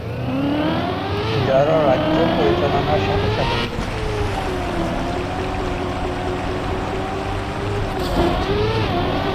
যারা রাজ্য পরিচালনার সাথে সাথে ধর্ম প্রচার সহ বাংলা সাহিত্যে উপরও বিভিন্ন ভাবে অবদান রেখেছেন।